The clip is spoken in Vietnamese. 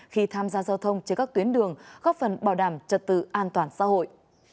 khi tham gia giao thông trên các tuyến đường góp phần bảo đảm trật tự an toàn xã hội